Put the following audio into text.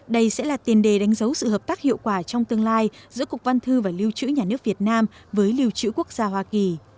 đây sẽ là tiền đề đánh dấu sự hợp tác hiệu quả trong tương lai giữa cục văn thư và lưu trữ nhà nước việt nam với lưu trữ quốc gia hoa kỳ